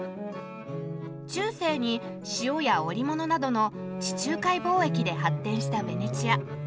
中世に塩や織物などの地中海貿易で発展したベネチア。